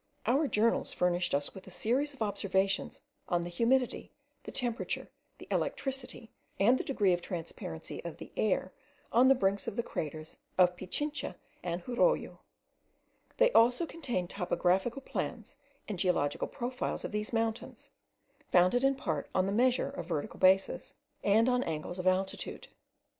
Our journals furnish us with a series of observations on the humidity, the temperature, the electricity, and the degree of transparency of the air on the brinks of the craters of Pichincha and Jorullo; they also contain topographical plans and geological profiles of these mountains, founded in part on the measure of vertical bases, and on angles of altitude.